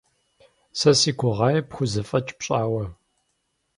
Сэ си гугъаи пхузэфӀэкӀ пщӀауэ.